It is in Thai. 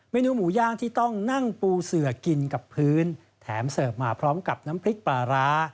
เนื้อหมูย่างที่ต้องนั่งปูเสือกินกับพื้นแถมเสิร์ฟมาพร้อมกับน้ำพริกปลาร้า